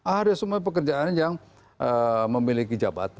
ada semua pekerjaan yang memiliki jabatan